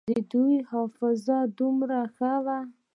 د دوى حافظه دومره ښه وه.